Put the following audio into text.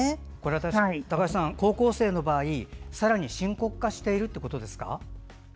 高橋さん、高校生の場合さらに深刻化しているということですか。